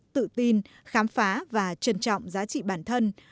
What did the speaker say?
tự tin khám phá và trân trọng giá trị bản thân